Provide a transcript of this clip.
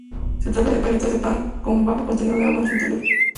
Se trata de palitos de pan con bajo contenido de agua en su interior.